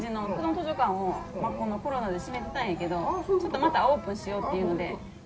図書館をこのコロナで閉めてたんやけどちょっとまたオープンしようっていうので。